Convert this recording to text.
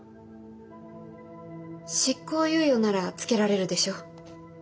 執行猶予ならつけられるでしょう。